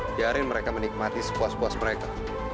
biarin mereka menikmati sepuas puas mereka